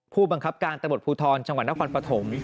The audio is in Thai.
ผู้บังคับการตำรวจภูทรจังหวัดนครปฐม